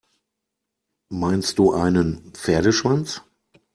Meinst du einen Pferdeschwanz?